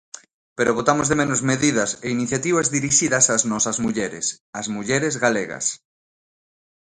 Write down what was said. Pero botamos de menos medidas e iniciativas dirixidas ás nosas mulleres, ás mulleres galegas.